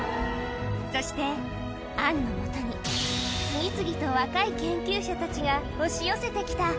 そしてアンのもとに、次々と若い研究者たちが押し寄せてきた。